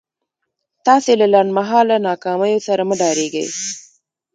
تاسې له لنډ مهاله ناکاميو سره مه ډارېږئ.